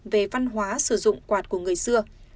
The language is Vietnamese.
về văn hóa sử dụng quạt của người xưa